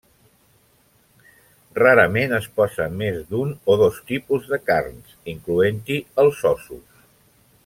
Rarament es posa més d'un o dos tipus de carns, incloent-hi els ossos.